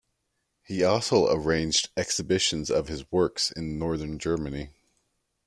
He also arranged exhibitions of his works in northern Germany.